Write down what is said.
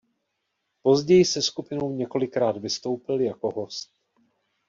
Později se skupinou několikrát vystoupil jako host.